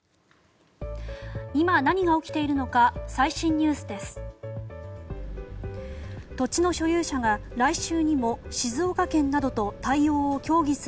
今、何が起きているのか最新ニュースです。